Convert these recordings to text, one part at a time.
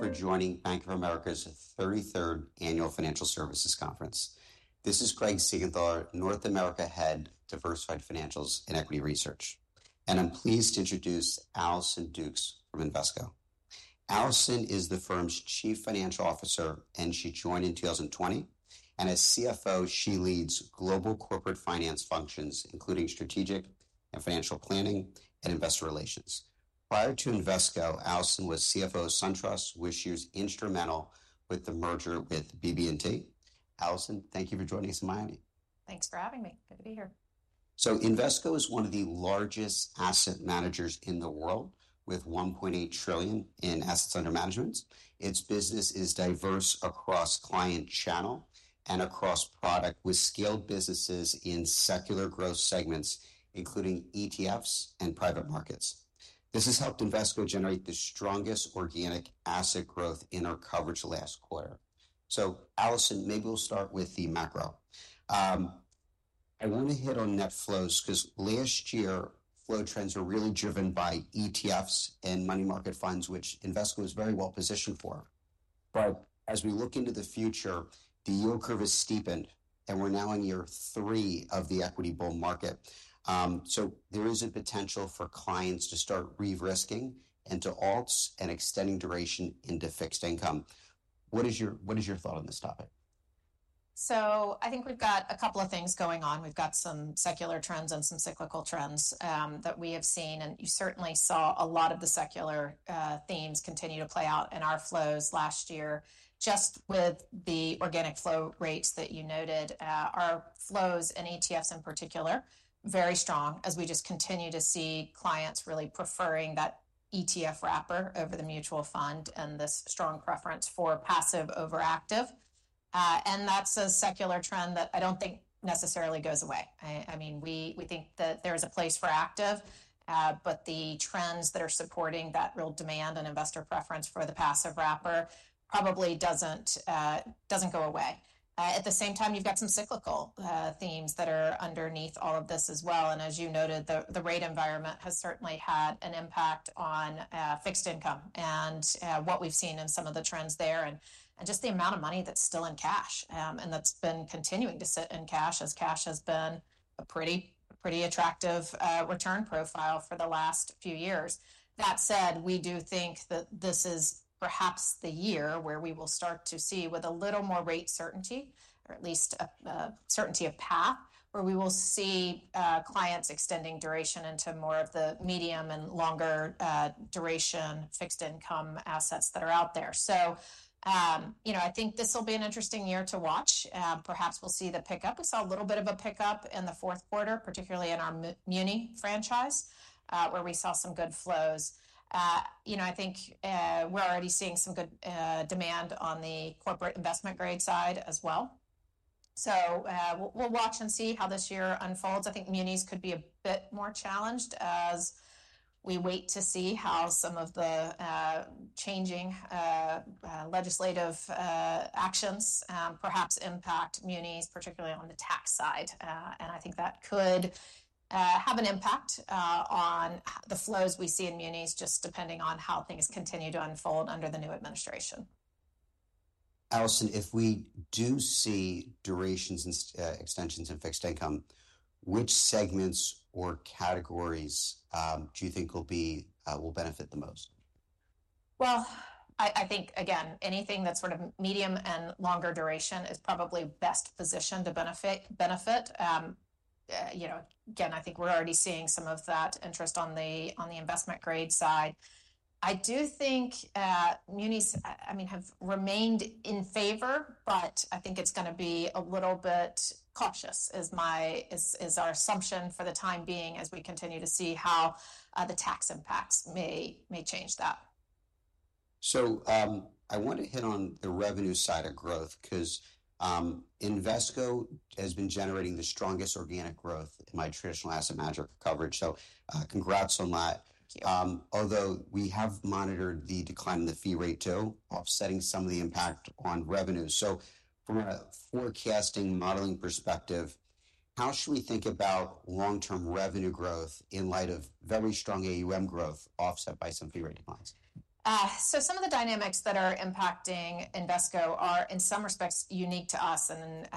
Thank you all for joining Bank of America's 33rd Annual Financial Services Conference. This is Craig Siegenthaler, North America Head, Diversified Financials and Equity Research. And I'm pleased to introduce Allison Dukes from Invesco. Allison is the firm's Chief Financial Officer, and she joined in 2020. And as CFO, she leads global corporate finance functions, including strategic and financial planning and investor relations. Prior to Invesco, Allison was CFO of SunTrust, which she was instrumental with the merger with BB&T. Allison, thank you for joining us in Miami. Thanks for having me. Good to be here. Invesco is one of the largest asset managers in the world, with $1.8 trillion in assets under management. Its business is diverse across client channel and across product, with scaled businesses in secular growth segments, including ETFs and private markets. This has helped Invesco generate the strongest organic asset growth in our coverage last quarter. Allison, maybe we'll start with the macro. I want to hit on net flows because last year, flow trends are really driven by ETFs and money market funds, which Invesco is very well positioned for. But as we look into the future, the yield curve has steepened, and we're now in year three of the equity bull market. There is a potential for clients to start re-risking into alts and extending duration into fixed income. What is your thought on this topic? So I think we've got a couple of things going on. We've got some secular trends and some cyclical trends that we have seen. And you certainly saw a lot of the secular themes continue to play out in our flows last year. Just with the organic flow rates that you noted, our flows in ETFs in particular, very strong, as we just continue to see clients really preferring that ETF wrapper over the mutual fund and this strong preference for passive over active. And that's a secular trend that I don't think necessarily goes away. I mean, we think that there is a place for active, but the trends that are supporting that real demand and investor preference for the passive wrapper probably doesn't go away. At the same time, you've got some cyclical themes that are underneath all of this as well. And as you noted, the rate environment has certainly had an impact on fixed income and what we've seen in some of the trends there and just the amount of money that's still in cash. And that's been continuing to sit in cash as cash has been a pretty attractive return profile for the last few years. That said, we do think that this is perhaps the year where we will start to see with a little more rate certainty, or at least a certainty of path, where we will see clients extending duration into more of the medium and longer duration fixed income assets that are out there. So I think this will be an interesting year to watch. Perhaps we'll see the pickup. We saw a little bit of a pickup in the fourth quarter, particularly in our muni franchise, where we saw some good flows. I think we're already seeing some good demand on the corporate investment grade side as well, so we'll watch and see how this year unfolds. I think munis could be a bit more challenged as we wait to see how some of the changing legislative actions perhaps impact munis, particularly on the tax side, and I think that could have an impact on the flows we see in munis, just depending on how things continue to unfold under the new administration. Allison, if we do see durations and extensions in fixed income, which segments or categories do you think will benefit the most? I think, again, anything that's sort of medium and longer duration is probably best positioned to benefit. Again, I think we're already seeing some of that interest on the investment grade side. I do think munis, I mean, have remained in favor, but I think it's going to be a little bit cautious, is our assumption for the time being as we continue to see how the tax impacts may change that. So I want to hit on the revenue side of growth because Invesco has been generating the strongest organic growth in my traditional asset manager coverage. So congrats on that. Thank you. Although we have monitored the decline in the fee rate too, offsetting some of the impact on revenue, so from a forecasting modeling perspective, how should we think about long-term revenue growth in light of very strong AUM growth offset by some fee rate declines? So some of the dynamics that are impacting Invesco are, in some respects, unique to us and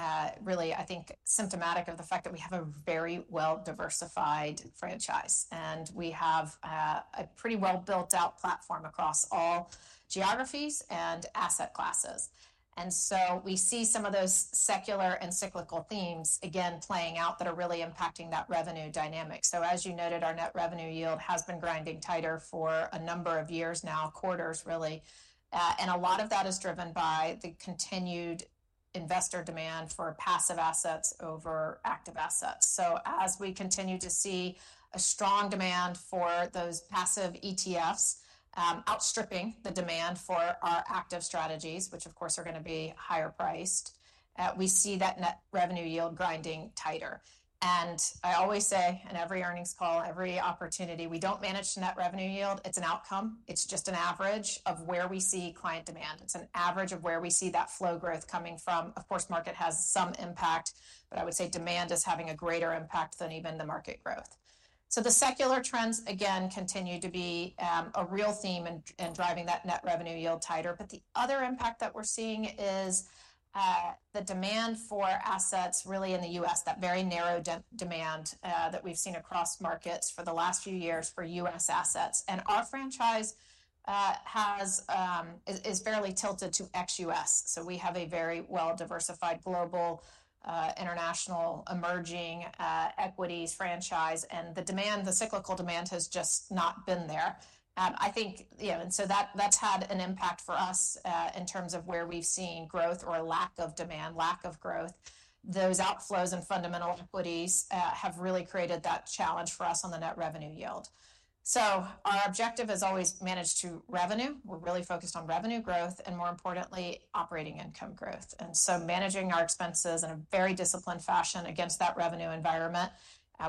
really, I think, symptomatic of the fact that we have a very well-diversified franchise. And we have a pretty well-built-out platform across all geographies and asset classes. And so we see some of those secular and cyclical themes, again, playing out that are really impacting that revenue dynamic. So as you noted, our net revenue yield has been grinding tighter for a number of years now, quarters really. And a lot of that is driven by the continued investor demand for passive assets over active assets. So as we continue to see a strong demand for those passive ETFs outstripping the demand for our active strategies, which, of course, are going to be higher priced, we see that net revenue yield grinding tighter. And I always say in every earnings call, every opportunity, we don't manage net revenue yield. It's an outcome. It's just an average of where we see client demand. It's an average of where we see that flow growth coming from. Of course, market has some impact, but I would say demand is having a greater impact than even the market growth. So the secular trends, again, continue to be a real theme in driving that net revenue yield tighter. But the other impact that we're seeing is the demand for assets really in the U.S., that very narrow demand that we've seen across markets for the last few years for U.S. assets. And our franchise is fairly tilted to ex-U.S. So we have a very well-diversified global international emerging equities franchise. And the cyclical demand has just not been there. I think, and so that's had an impact for us in terms of where we've seen growth or lack of demand, lack of growth. Those outflows and fundamental equities have really created that challenge for us on the net revenue yield, so our objective has always managed to revenue. We're really focused on revenue growth and, more importantly, operating income growth, and so managing our expenses in a very disciplined fashion against that revenue environment.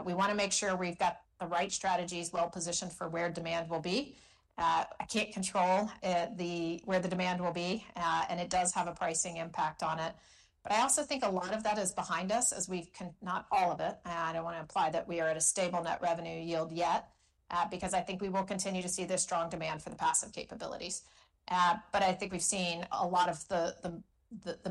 We want to make sure we've got the right strategies well-positioned for where demand will be. I can't control where the demand will be, and it does have a pricing impact on it, but I also think a lot of that is behind us as we've not all of it. I don't want to imply that we are at a stable net revenue yield yet because I think we will continue to see this strong demand for the passive capabilities. But I think we've seen a lot of the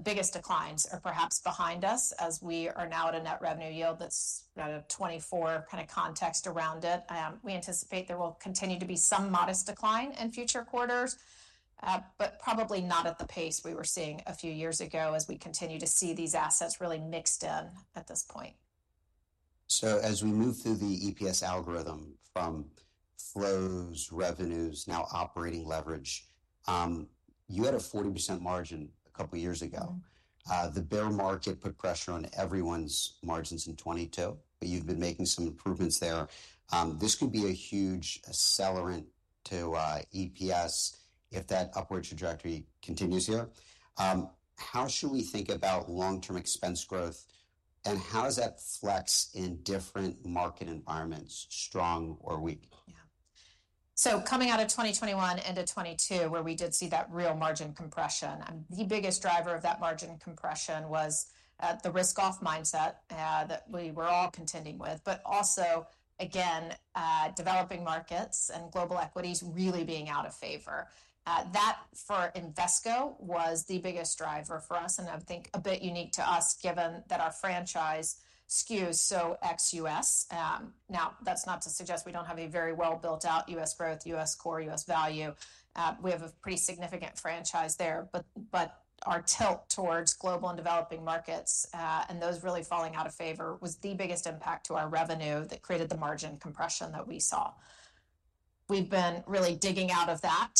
biggest declines are perhaps behind us as we are now at a net revenue yield that's at a 24 kind of context around it. We anticipate there will continue to be some modest decline in future quarters, but probably not at the pace we were seeing a few years ago as we continue to see these assets really mixed in at this point. So as we move through the EPS algorithm from flows, revenues, now operating leverage, you had a 40% margin a couple of years ago. The bear market put pressure on everyone's margins in 2022, but you've been making some improvements there. This could be a huge accelerant to EPS if that upward trajectory continues here. How should we think about long-term expense growth and how does that flex in different market environments, strong or weak? Yeah, so coming out of 2021 into 2022, where we did see that real margin compression, the biggest driver of that margin compression was the risk-off mindset that we were all contending with, but also, again, developing markets and global equities really being out of favor. That for Invesco was the biggest driver for us, and I think a bit unique to us given that our franchise skews so ex-U.S. Now, that's not to suggest we don't have a very well-built-out U.S. growth, U.S. core, U.S. value. We have a pretty significant franchise there, but our tilt towards global and developing markets and those really falling out of favor was the biggest impact to our revenue that created the margin compression that we saw. We've been really digging out of that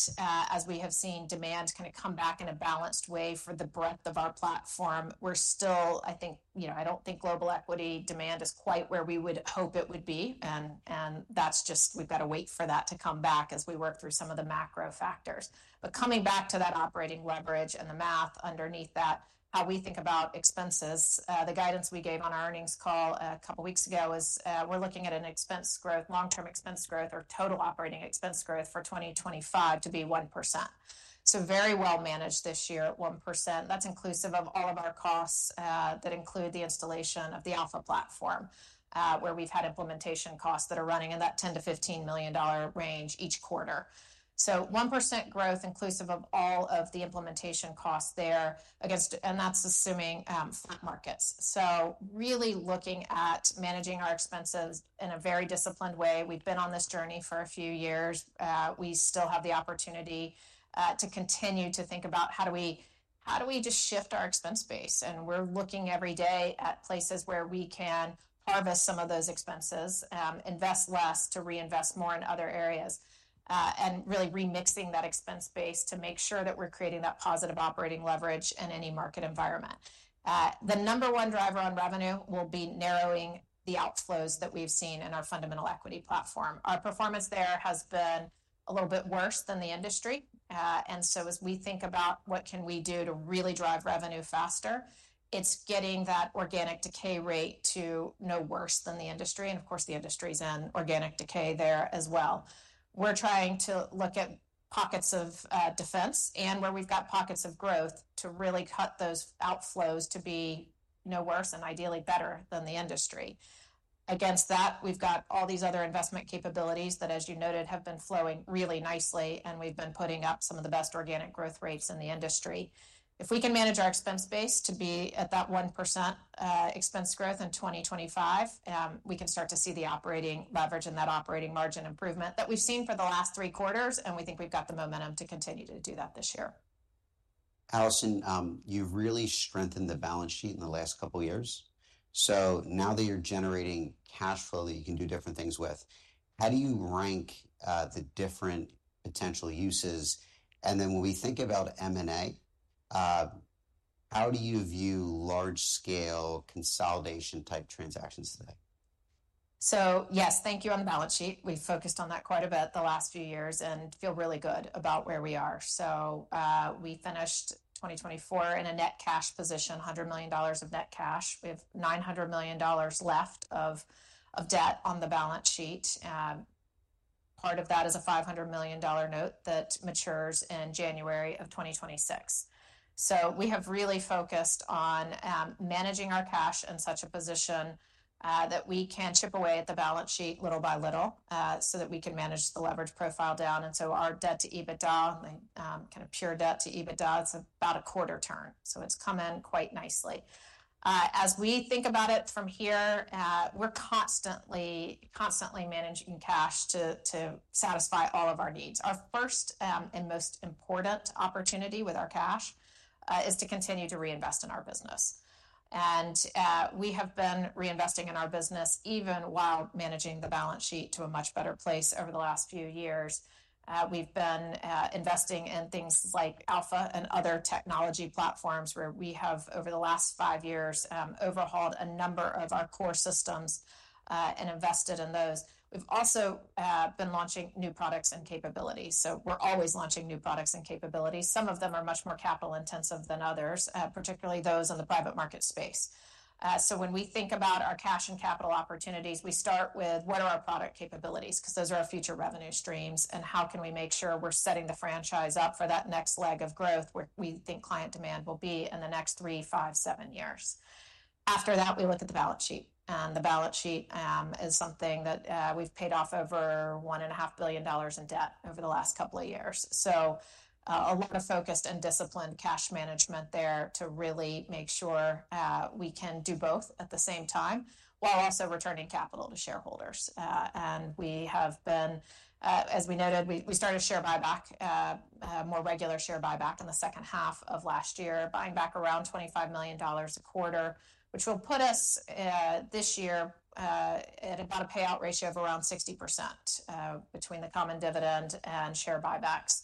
as we have seen demand kind of come back in a balanced way for the breadth of our platform. We're still, I think, I don't think global equity demand is quite where we would hope it would be. And that's just, we've got to wait for that to come back as we work through some of the macro factors. But coming back to that operating leverage and the math underneath that, how we think about expenses, the guidance we gave on our earnings call a couple of weeks ago is we're looking at an expense growth, long-term expense growth or total operating expense growth for 2025 to be 1%. So very well managed this year at 1%. That's inclusive of all of our costs that include the installation of the Alpha platform, where we've had implementation costs that are running in that $10-$15 million range each quarter. So 1% growth inclusive of all of the implementation costs there against, and that's assuming flat markets. So really looking at managing our expenses in a very disciplined way. We've been on this journey for a few years. We still have the opportunity to continue to think about how do we just shift our expense base, and we're looking every day at places where we can harvest some of those expenses, invest less to reinvest more in other areas, and really remixing that expense base to make sure that we're creating that positive operating leverage in any market environment. The number one driver on revenue will be narrowing the outflows that we've seen in our fundamental equity platform. Our performance there has been a little bit worse than the industry, and so as we think about what can we do to really drive revenue faster, it's getting that organic decay rate to no worse than the industry. And of course, the industry's in organic decay there as well. We're trying to look at pockets of defense and where we've got pockets of growth to really cut those outflows to be no worse and ideally better than the industry. Against that, we've got all these other investment capabilities that, as you noted, have been flowing really nicely, and we've been putting up some of the best organic growth rates in the industry. If we can manage our expense base to be at that 1% expense growth in 2025, we can start to see the operating leverage and that operating margin improvement that we've seen for the last three quarters, and we think we've got the momentum to continue to do that this year. Allison, you've really strengthened the balance sheet in the last couple of years. So now that you're generating cash flow that you can do different things with, how do you rank the different potential uses? And then when we think about M&A, how do you view large-scale consolidation type transactions today? So yes, thank you on the balance sheet. We've focused on that quite a bit the last few years and feel really good about where we are. So we finished 2024 in a net cash position, $100 million of net cash. We have $900 million left of debt on the balance sheet. Part of that is a $500 million note that matures in January of 2026. So we have really focused on managing our cash in such a position that we can chip away at the balance sheet little by little so that we can manage the leverage profile down. And so our debt to EBITDA, kind of pure debt to EBITDA, it's about a quarter turn. So it's come in quite nicely. As we think about it from here, we're constantly managing cash to satisfy all of our needs. Our first and most important opportunity with our cash is to continue to reinvest in our business. We have been reinvesting in our business even while managing the balance sheet to a much better place over the last few years. We've been investing in things like Alpha and other technology platforms where we have, over the last five years, overhauled a number of our core systems and invested in those. We've also been launching new products and capabilities, so we're always launching new products and capabilities. Some of them are much more capital-intensive than others, particularly those in the private market space. When we think about our cash and capital opportunities, we start with what are our product capabilities because those are our future revenue streams and how can we make sure we're setting the franchise up for that next leg of growth where we think client demand will be in the next three, five, seven years. After that, we look at the balance sheet. And the balance sheet is something that we've paid off over $1.5 billion in debt over the last couple of years. So a lot of focused and disciplined cash management there to really make sure we can do both at the same time while also returning capital to shareholders. And we have been, as we noted, we started share buyback, more regular share buyback in the second half of last year, buying back around $25 million a quarter, which will put us this year at about a payout ratio of around 60% between the common dividend and share buybacks.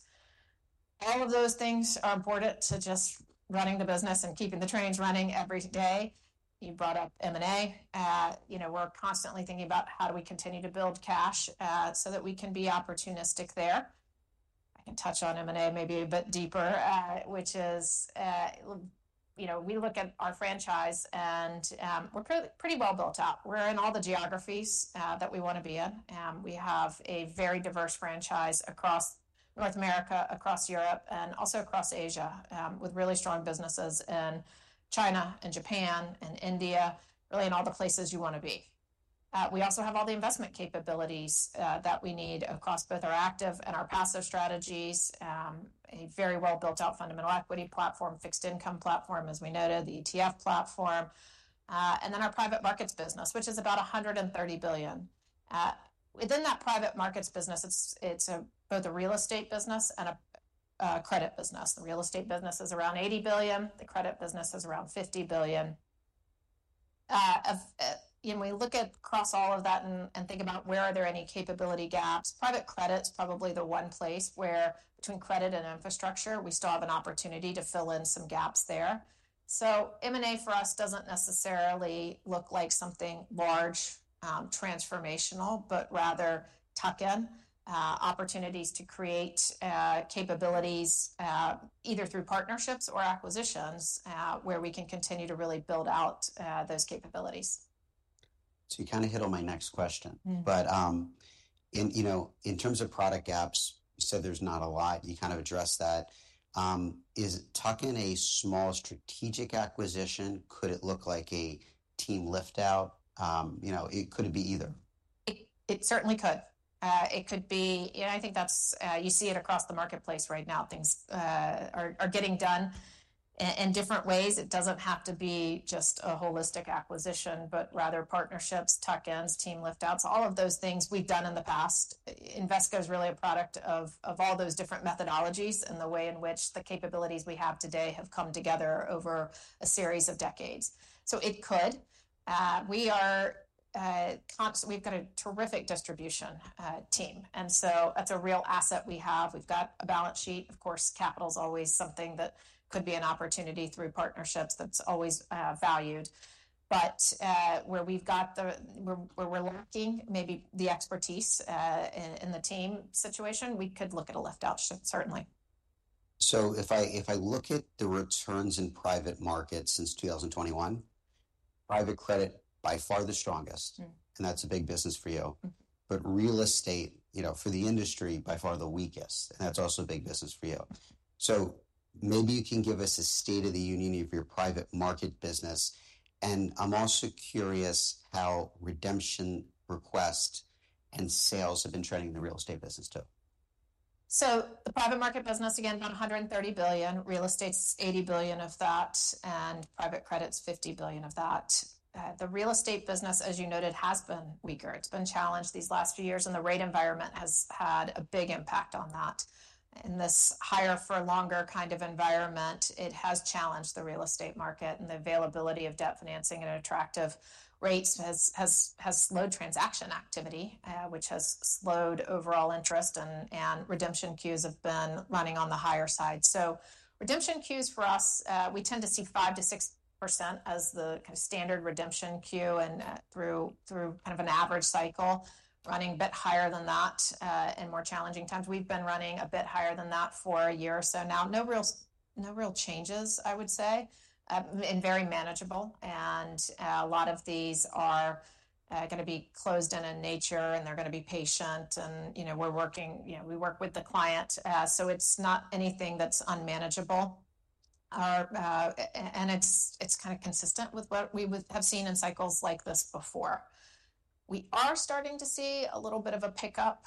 All of those things are important to just running the business and keeping the trains running every day. You brought up M&A. We're constantly thinking about how do we continue to build cash so that we can be opportunistic there. I can touch on M&A maybe a bit deeper, which is we look at our franchise and we're pretty well built out. We're in all the geographies that we want to be in. We have a very diverse franchise across North America, across Europe, and also across Asia with really strong businesses in China and Japan and India, really in all the places you want to be. We also have all the investment capabilities that we need across both our active and our passive strategies, a very well-built-out fundamental equity platform, fixed income platform, as we noted, the ETF platform, and then our private markets business, which is about $130 billion. Within that private markets business, it's both a real estate business and a credit business. The real estate business is around $80 billion. The credit business is around $50 billion. When we look at across all of that and think about where are there any capability gaps, private credit's probably the one place where between credit and infrastructure, we still have an opportunity to fill in some gaps there. So M&A for us doesn't necessarily look like something large, transformational, but rather tuck-in opportunities to create capabilities either through partnerships or acquisitions where we can continue to really build out those capabilities. So you kind of hit on my next question. But in terms of product gaps, you said there's not a lot. You kind of addressed that. Is tuck-in a small strategic acquisition? Could it look like a team liftout? It could be either. It certainly could. It could be, and I think that's, you see, it across the marketplace right now. Things are getting done in different ways. It doesn't have to be just a holistic acquisition, but rather partnerships, tuck-ins, team liftouts, all of those things we've done in the past. Invesco's really a product of all those different methodologies and the way in which the capabilities we have today have come together over a series of decades, so it could. We've got a terrific distribution team, and so that's a real asset we have. We've got a balance sheet. Of course, capital's always something that could be an opportunity through partnerships. That's always valued, but where we're lacking maybe the expertise in the team situation, we could look at a liftout, certainly. So if I look at the returns in private markets since 2021, private credit by far the strongest, and that's a big business for you. But real estate for the industry by far the weakest, and that's also a big business for you. So maybe you can give us a state of the union of your private market business. And I'm also curious how redemption requests and sales have been trending in the real estate business too. So the private market business, again, about $130 billion. Real estate's $80 billion of that, and private credit's $50 billion of that. The real estate business, as you noted, has been weaker. It's been challenged these last few years, and the rate environment has had a big impact on that. In this higher-for-longer kind of environment, it has challenged the real estate market, and the availability of debt financing at attractive rates has slowed transaction activity, which has slowed overall interest, and redemption queues have been running on the higher side. So redemption queues for us, we tend to see 5%-6% as the kind of standard redemption queue and through kind of an average cycle running a bit higher than that in more challenging times. We've been running a bit higher than that for a year or so now. No real changes, I would say, and very manageable. A lot of these are going to be closed-end in nature, and they're going to be patient. We're working with the client. So it's not anything that's unmanageable. It's kind of consistent with what we have seen in cycles like this before. We are starting to see a little bit of a pickup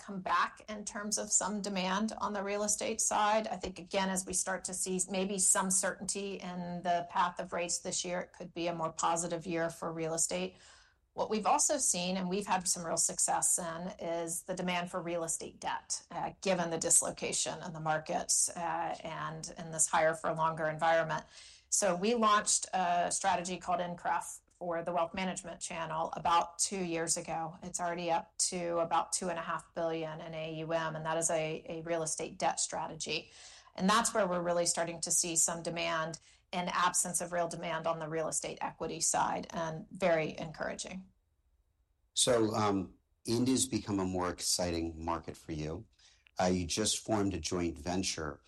come back in terms of some demand on the real estate side. I think, again, as we start to see maybe some certainty in the path of rates this year, it could be a more positive year for real estate. What we've also seen, and we've had some real success in, is the demand for real estate debt given the dislocation in the markets and in this higher-for-longer environment. So we launched a strategy called INCREF for the wealth management channel about two years ago. It's already up to about $2.5 billion in AUM, and that is a real estate debt strategy. And that's where we're really starting to see some demand in absence of real demand on the real estate equity side and very encouraging. So India's become a more exciting market for you. You just formed a joint venture.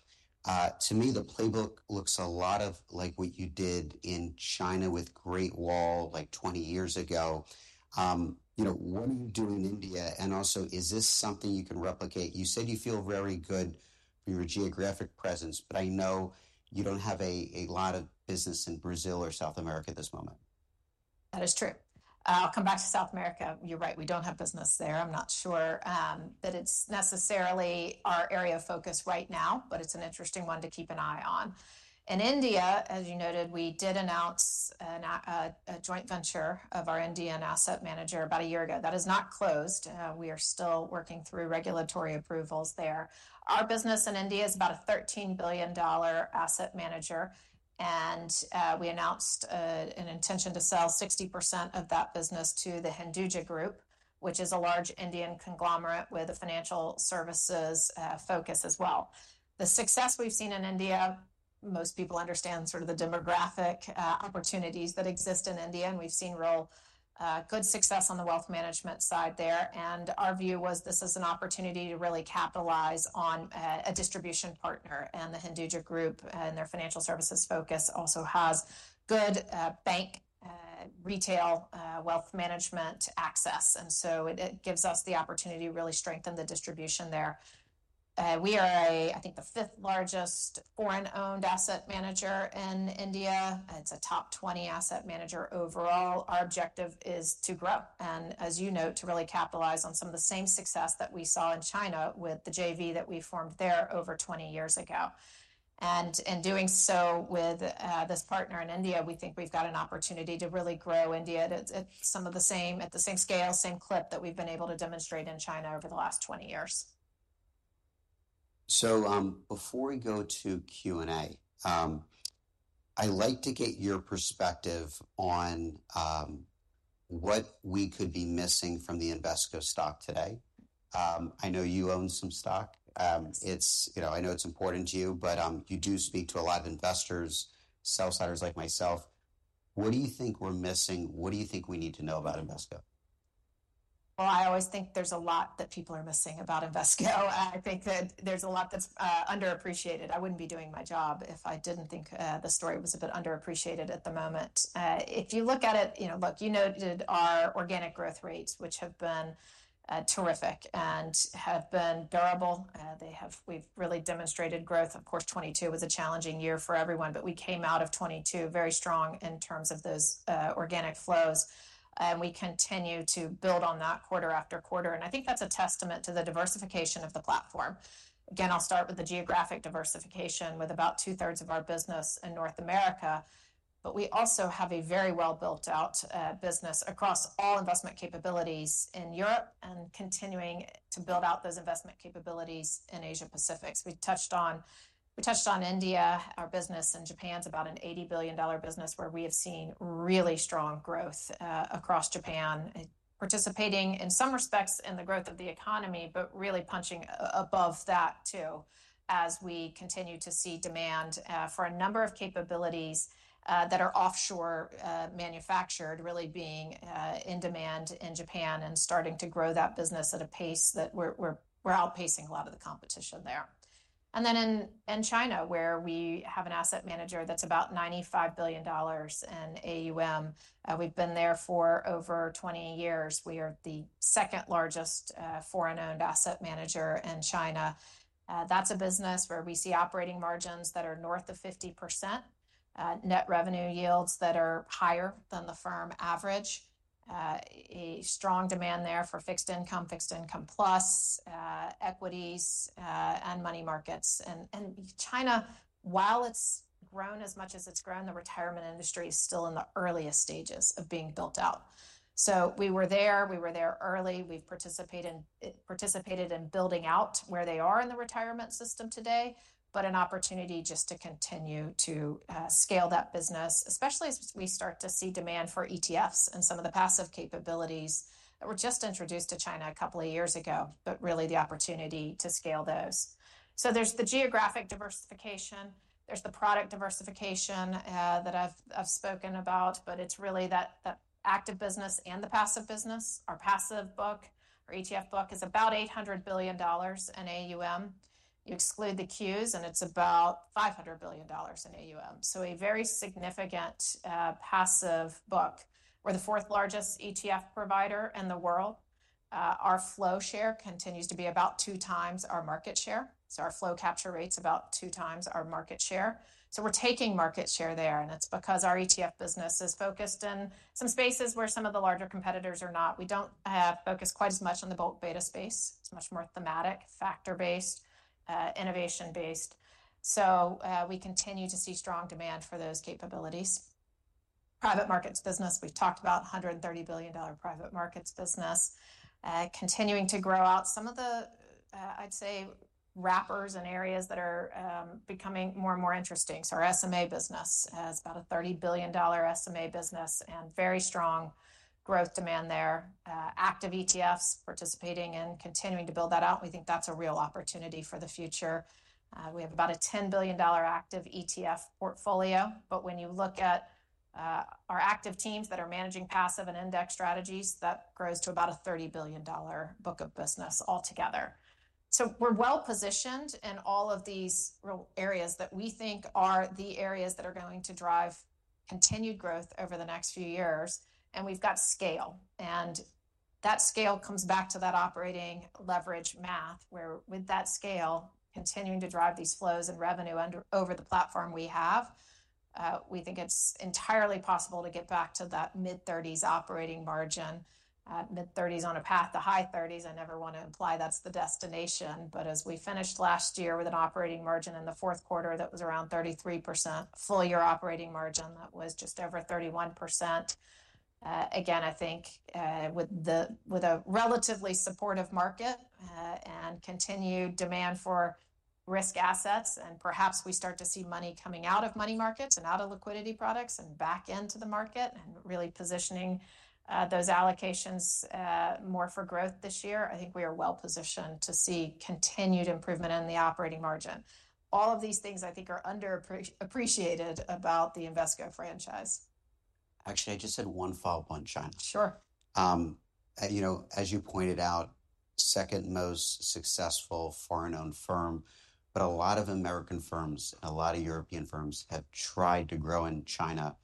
To me, the playbook looks a lot like what you did in China with Great Wall like 20 years ago. What are you doing in India? And also, is this something you can replicate? You said you feel very good for your geographic presence, but I know you don't have a lot of business in Brazil or South America at this moment. That is true. I'll come back to South America. You're right. We don't have business there. I'm not sure that it's necessarily our area of focus right now, but it's an interesting one to keep an eye on. In India, as you noted, we did announce a joint venture of our Indian asset manager about a year ago. That is not closed. We are still working through regulatory approvals there. Our business in India is about a $13 billion asset manager, and we announced an intention to sell 60% of that business to the Hinduja Group, which is a large Indian conglomerate with a financial services focus as well. The success we've seen in India, most people understand sort of the demographic opportunities that exist in India, and we've seen real good success on the wealth management side there. Our view was this is an opportunity to really capitalize on a distribution partner. The Hinduja Group and their financial services focus also has good bank retail wealth management access. So it gives us the opportunity to really strengthen the distribution there. We are, I think, the fifth largest foreign-owned asset manager in India. It's a top 20 asset manager overall. Our objective is to grow and, as you note, to really capitalize on some of the same success that we saw in China with the JV that we formed there over 20 years ago. In doing so with this partner in India, we think we've got an opportunity to really grow India at some of the same scale, same clip that we've been able to demonstrate in China over the last 20 years. So before we go to Q&A, I'd like to get your perspective on what we could be missing from the Invesco stock today. I know you own some stock. I know it's important to you, but you do speak to a lot of investors, sell-siders like myself. What do you think we're missing? What do you think we need to know about Invesco? Well, I always think there's a lot that people are missing about Invesco. I think that there's a lot that's underappreciated. I wouldn't be doing my job if I didn't think the story was a bit underappreciated at the moment. If you look at it, look, you noted our organic growth rates, which have been terrific and have been durable. We've really demonstrated growth. Of course, 2022 was a challenging year for everyone, but we came out of 2022 very strong in terms of those organic flows. And we continue to build on that quarter after quarter. And I think that's a testament to the diversification of the platform. Again, I'll start with the geographic diversification with about two-thirds of our business in North America. But we also have a very well-built-out business across all investment capabilities in Europe and continuing to build out those investment capabilities in Asia-Pacific. We touched on India. Our business in Japan is about an $80 billion business where we have seen really strong growth across Japan, participating in some respects in the growth of the economy, but really punching above that too as we continue to see demand for a number of capabilities that are offshore manufactured really being in demand in Japan and starting to grow that business at a pace that we're outpacing a lot of the competition there. And then in China, where we have an asset manager that's about $95 billion in AUM. We've been there for over 20 years. We are the second largest foreign-owned asset manager in China. That's a business where we see operating margins that are north of 50%, net revenue yields that are higher than the firm average, a strong demand there for fixed income, fixed income plus, equities, and money markets. China, while it's grown as much as it's grown, the retirement industry is still in the earliest stages of being built out. So we were there. We were there early. We've participated in building out where they are in the retirement system today, but an opportunity just to continue to scale that business, especially as we start to see demand for ETFs and some of the passive capabilities that were just introduced to China a couple of years ago, but really the opportunity to scale those. So there's the geographic diversification. There's the product diversification that I've spoken about, but it's really that active business and the passive business. Our passive book, our ETF book is about $800 billion in AUM. You exclude the Qs, and it's about $500 billion in AUM. So a very significant passive book. We're the fourth largest ETF provider in the world. Our flow share continues to be about two times our market share. So our flow capture rate's about two times our market share. So we're taking market share there. And it's because our ETF business is focused in some spaces where some of the larger competitors are not. We don't focus quite as much on the bulk beta space. It's much more thematic, factor-based, innovation-based. So we continue to see strong demand for those capabilities. Private markets business, we've talked about $130 billion private markets business, continuing to grow out some of the, I'd say, wrappers and areas that are becoming more and more interesting. So our SMA business has about a $30 billion SMA business and very strong growth demand there. Active ETFs participating and continuing to build that out. We think that's a real opportunity for the future. We have about a $10 billion active ETF portfolio. But when you look at our active teams that are managing passive and index strategies, that grows to about a $30 billion book of business altogether. So we're well-positioned in all of these areas that we think are the areas that are going to drive continued growth over the next few years. And we've got scale. And that scale comes back to that operating leverage math, where with that scale, continuing to drive these flows and revenue over the platform we have, we think it's entirely possible to get back to that mid-30s operating margin, mid-30s on a path to high 30s. I never want to imply that's the destination. But as we finished last year with an operating margin in the fourth quarter that was around 33%, full-year operating margin that was just over 31%. Again, I think with a relatively supportive market and continued demand for risk assets, and perhaps we start to see money coming out of money markets and out of liquidity products and back into the market and really positioning those allocations more for growth this year, I think we are well-positioned to see continued improvement in the operating margin. All of these things, I think, are underappreciated about the Invesco franchise. Actually, I just had one follow-up on China. Sure. As you pointed out, second most successful foreign-owned firm. But a lot of American firms and a lot of European firms have tried to grow in China.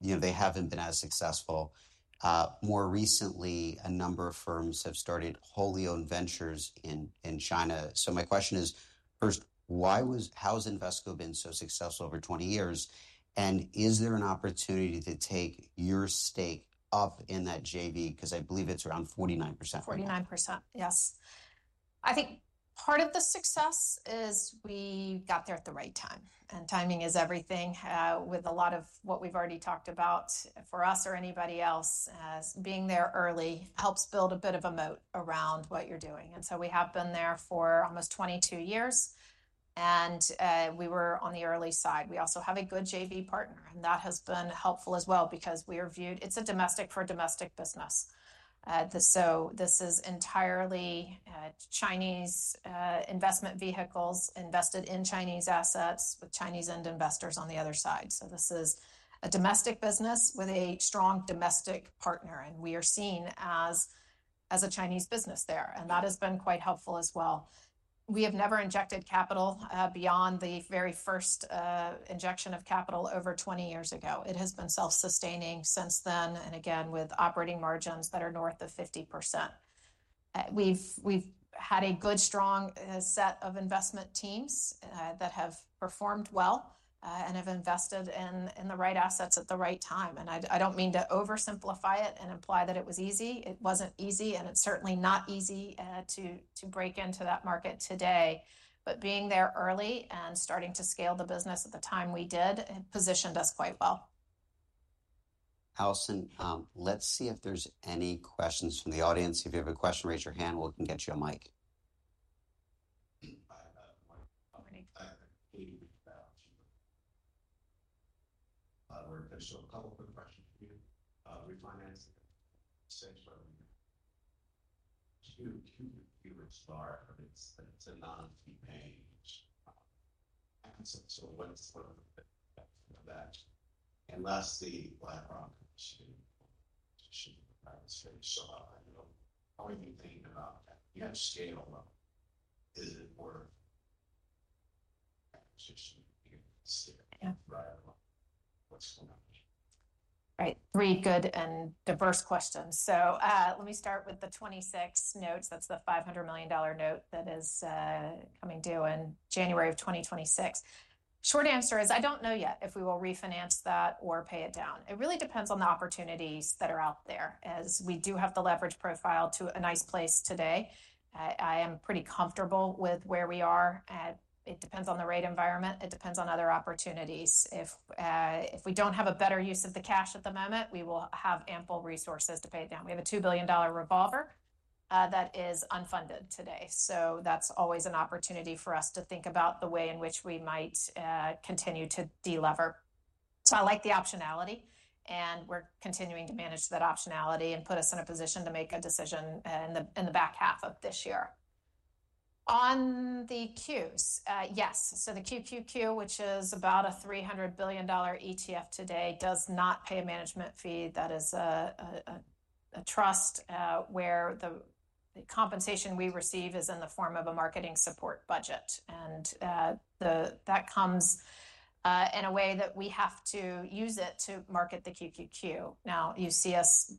They haven't been as successful. More recently, a number of firms have started wholly-owned ventures in China. So my question is, first, how has Invesco been so successful over 20 years? And is there an opportunity to take your stake up in that JV? Because I believe it's around 49%. 49%, yes. I think part of the success is we got there at the right time. And timing is everything. With a lot of what we've already talked about, for us or anybody else, being there early helps build a bit of a moat around what you're doing. And so we have been there for almost 22 years. And we were on the early side. We also have a good JV partner. And that has been helpful as well because we are viewed as a domestic for a domestic business. So this is entirely Chinese investment vehicles invested in Chinese assets with Chinese end investors on the other side. So this is a domestic business with a strong domestic partner. And we are seen as a Chinese business there. And that has been quite helpful as well. We have never injected capital beyond the very first injection of capital over 20 years ago. It has been self-sustaining since then, and again, with operating margins that are north of 50%. We've had a good, strong set of investment teams that have performed well and have invested in the right assets at the right time, and I don't mean to oversimplify it and imply that it was easy. It wasn't easy, and it's certainly not easy to break into that market today, but being there early and starting to scale the business at the time we did positioned us quite well. Allison, let's see if there's any questions from the audience. If you have a question, raise your hand. We can get you a mic. I have a question. I'm going to get a lot of work. There's a couple of quick questions for you. Refinancing says too few people starve, but it's a non-fee-paying asset. So what's the benefit of that? And lastly, BlackRock's acquisition. I was very shocked, you know. How are you thinking about that? You have scale already. Is it worth acquisition here? Yeah. Right. What's going on? Right. Three good and diverse questions. So let me start with the 2026 notes. That's the $500 million note that is coming due in January of 2026. Short answer is I don't know yet if we will refinance that or pay it down. It really depends on the opportunities that are out there. As we do have the leverage profile to a nice place today, I am pretty comfortable with where we are. It depends on the rate environment. It depends on other opportunities. If we don't have a better use of the cash at the moment, we will have ample resources to pay it down. We have a $2 billion revolver that is unfunded today. So that's always an opportunity for us to think about the way in which we might continue to delever. So I like the optionality. We're continuing to manage that optionality and put us in a position to make a decision in the back half of this year. On the Qs, yes. So the QQQ, which is about a $300 billion ETF today, does not pay a management fee. That is a trust where the compensation we receive is in the form of a marketing support budget. And that comes in a way that we have to use it to market the QQQ. Now, you see us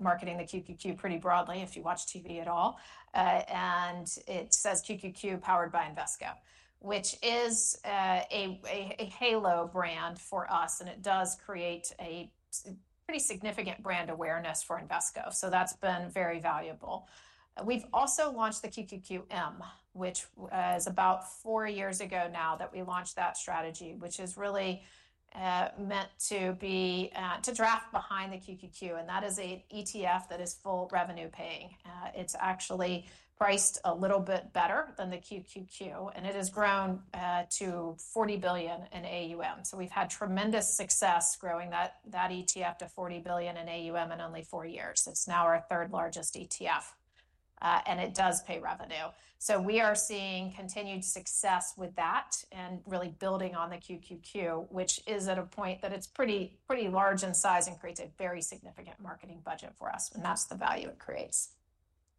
marketing the QQQ pretty broadly if you watch TV at all. And it says QQQ powered by Invesco, which is a halo brand for us. And it does create a pretty significant brand awareness for Invesco. So that's been very valuable. We've also launched the QQQM, which is about four years ago now that we launched that strategy, which is really meant to be to draft behind the QQQ, and that is an ETF that is full revenue-paying. It's actually priced a little bit better than the QQQ, and it has grown to $40 billion in AUM, so we've had tremendous success growing that ETF to $40 billion in AUM in only four years. It's now our third largest ETF, and it does pay revenue, so we are seeing continued success with that and really building on the QQQ, which is at a point that it's pretty large in size and creates a very significant marketing budget for us, and that's the value it creates,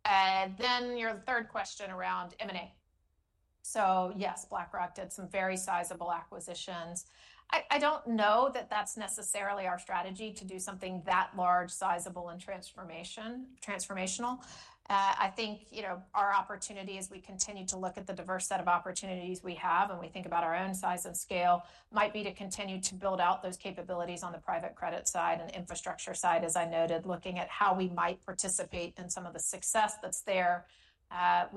and then your third question around M&A, so yes, BlackRock did some very sizable acquisitions. I don't know that that's necessarily our strategy to do something that large, sizable, and transformational. I think our opportunity, as we continue to look at the diverse set of opportunities we have and we think about our own size and scale, might be to continue to build out those capabilities on the private credit side and infrastructure side, as I noted, looking at how we might participate in some of the success that's there. I'll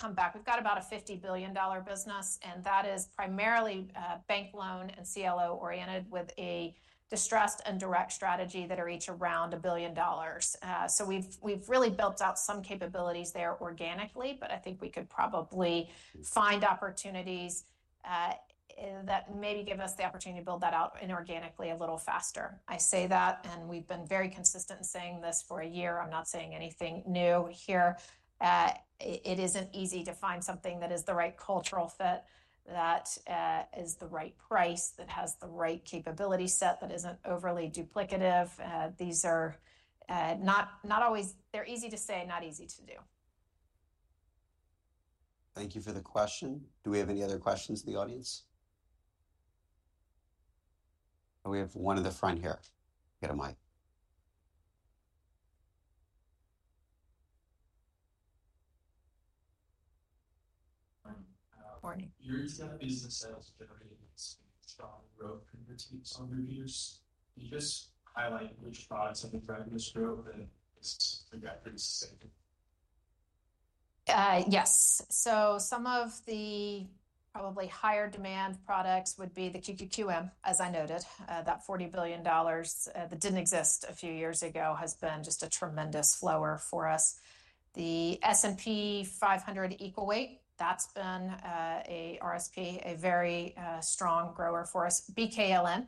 come back. We've got about a $50 billion business. That is primarily bank loan and CLO-oriented with a distressed and direct strategy that are each around a billion dollars. We've really built out some capabilities there organically. I think we could probably find opportunities that maybe give us the opportunity to build that out inorganically a little faster. I say that. We've been very consistent in saying this for a year. I'm not saying anything new here. It isn't easy to find something that is the right cultural fit, that is the right price, that has the right capability set, that isn't overly duplicative. These are not always easy to say, not easy to do. Thank you for the question. Do we have any other questions in the audience? We have one in the front here. Get a mic. Your ex-US business has generated strong growth from your teams over the years. Can you just highlight which products have been driving this growth and is the gap pretty sustainable? Yes. So some of the probably higher demand products would be the QQQM, as I noted. That $40 billion that didn't exist a few years ago has been just a tremendous inflow for us. The S&P 500 Equal Weight, that's been an RSP, a very strong grower for us. BKLN,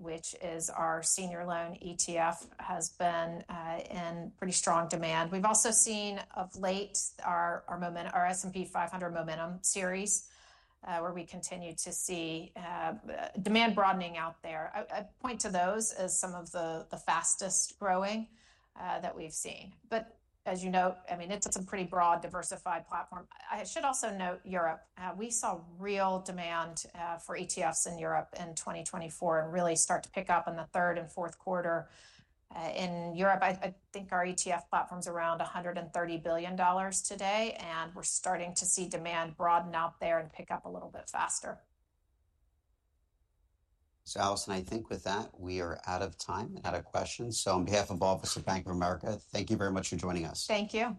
which is our senior loan ETF, has been in pretty strong demand. We've also seen of late our S&P 500 Momentum series, where we continue to see demand broadening out there. I point to those as some of the fastest growing that we've seen. But as you note, I mean, it's a pretty broad, diversified platform. I should also note Europe. We saw real demand for ETFs in Europe in 2024 and really start to pick up in the third and fourth quarter in Europe. I think our ETF platform's around $130 billion today. We're starting to see demand broaden out there and pick up a little bit faster. So Allison, I think with that, we are out of time and out of questions. So on behalf of all of us at Bank of America, thank you very much for joining us. Thank you.